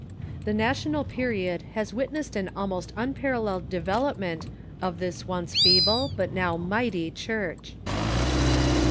The national period has witnessed an almost unparalleled development of this once feeble but now mighty Church.